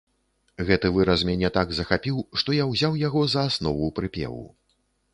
Гэты выраз мяне так захапіў, што я ўзяў яго за аснову прыпеву.